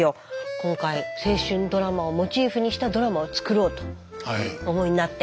今回青春ドラマをモチーフにしたドラマを作ろうとお思いになって。